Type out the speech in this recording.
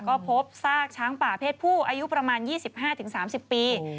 ก็พบซากช้างป่าเพศผู้อายุประมาณ๒๕๓๐ปี